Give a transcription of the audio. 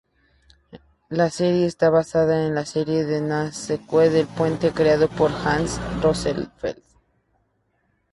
La serie está basada en la serie danesa-sueca "El puente" creada por Hans Rosenfeld.